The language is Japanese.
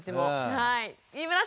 はい。